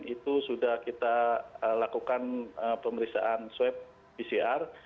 itu sudah kita lakukan pemeriksaan swab pcr